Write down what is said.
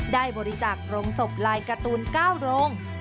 ได้บริจาคโรงศพลายการ์ตูน๙โรง